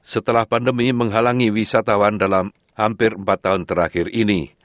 setelah pandemi menghalangi wisatawan dalam hampir empat tahun terakhir ini